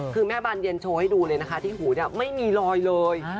คือแม่บานเย็นโชว์ให้ดูเลยนะคะที่หูเนี่ยไม่มีรอยเลย